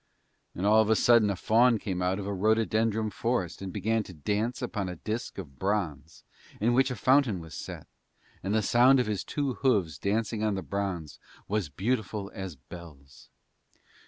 And all of a sudden a faun came out of a rhododendron forest and began to dance upon a disk of bronze in which a fountain was set; and the sound of his two hooves dancing on the bronze was beautiful as bells.